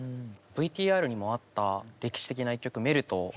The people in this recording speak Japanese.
ＶＴＲにもあった歴史的な一曲「メルト」。